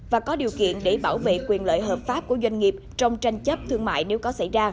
và có điều kiện để bảo vệ quyền lợi hợp pháp của doanh nghiệp trong tranh chấp thương mại nếu có xảy ra